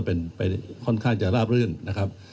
เป็นไปค่อนข้างจะราบรื่นนะครับ